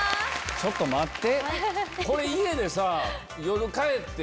ちょっと待って。